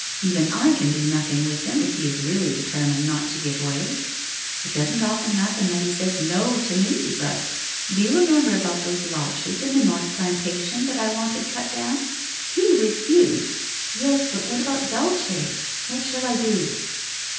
Even I can do nothing with him, if he is really determined not to give way. It doesn't often happen that he says no to me, but — do you remember about those larches in the North Plantation, that I wanted cut down? lie refused '< Yes. But what about Dulce? What shall I do?'